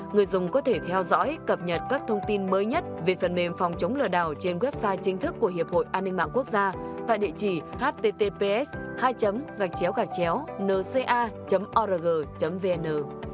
người dùng có thể theo dõi cập nhật các thông tin mới nhất về phần mềm phòng chống lừa đảo trên website chính thức của hiệp hội an ninh mạng quốc gia tại địa chỉ http nca org vn